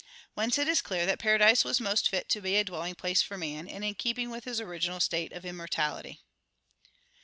Whence it is clear that paradise was most fit to be a dwelling place for man, and in keeping with his original state of immortality.